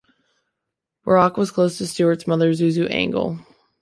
Buarque was close to Stuart's mother, Zuzu Angel.